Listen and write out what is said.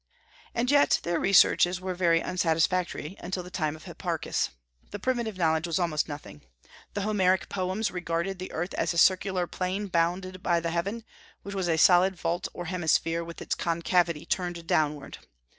And yet their researches were very unsatisfactory until the time of Hipparchus. The primitive knowledge was almost nothing. The Homeric poems regarded the earth as a circular plain bounded by the heaven, which was a solid vault or hemisphere, with its concavity turned downward.